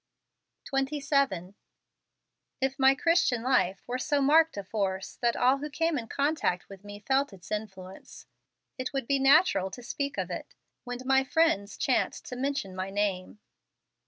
A 27. If my Christian life were so marked a force that all who came in contact with me felt its influence, it would be natural to speak of it, when my friends chanced to mention my name.